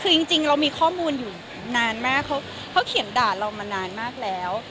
คือจริงเรามีข้อมูลอยู่นานมากเขาเขียนด่าเรามานานมากแล้ว